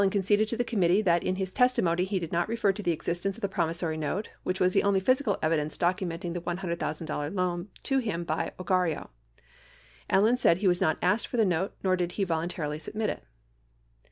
520 ceded to the committee that in his testimony he did not refer to the existence of the promissory note, which was the only physical evidence documenting the $100,000 loan to him by Ogarrio. Allen said he was not asked for the note nor did he voluntarily submit it.